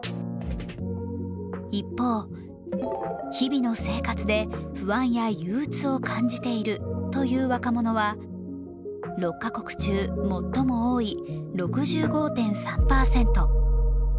一方「日々の生活で不安や憂うつを感じている」という若者は６か国中、最も多い６５．３％。